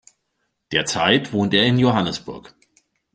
Derzeit wohnt er in Johannesburg.